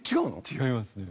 違いますね。